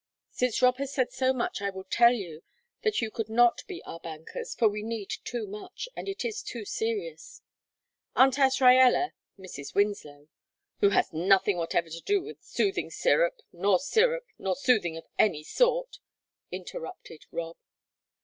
"Since Rob has said so much I will tell you that you could not be our bankers, for we need too much, and it is too serious. Aunt Azraella, Mrs. Winslow " "Who has nothing whatever to do with soothing sirup, nor sirup, nor soothing of any sort," interrupted Rob.